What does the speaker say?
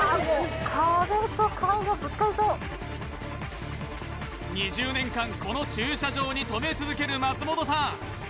もう２０年間この駐車場に止め続ける松本さん